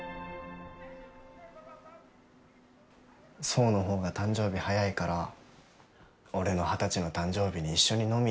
想の方が誕生日早いから俺の二十歳の誕生日に一緒に飲みに行こうって。